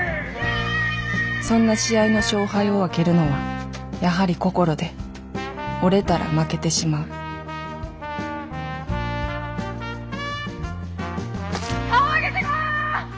そんな試合の勝敗を分けるのはやはり「心」で折れたら負けてしまう顔上げてこ！